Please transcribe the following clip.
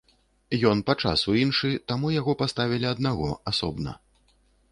Ён па часу іншы, таму яго паставілі аднаго, асобна.